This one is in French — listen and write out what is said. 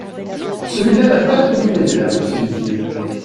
Celui-là n’a pas toujours été là, poursuivit-il.